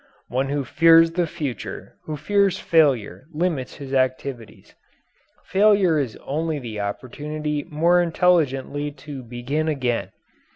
One who fears the future, who fears failure, limits his activities. Failure is only the opportunity more intelligently to begin again.